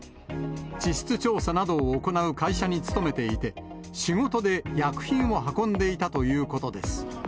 地質調査などを行う会社に勤めていて、仕事で薬品を運んでいたということです。